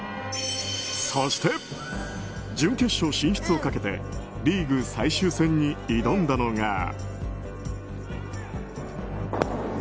そして、準決勝進出をかけてリーグ最終戦に挑んだのが。